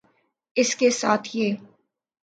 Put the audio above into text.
اس کے ساتھ یہ